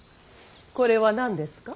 これは何ですか。